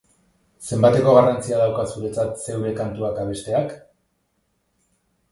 Zenbateko garrantzia dauka zuretzat zeure kantuak abesteak?